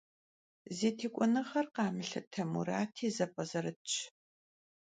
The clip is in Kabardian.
Zi têk'uenığer khamılhıte Murati zep'ezerıtş.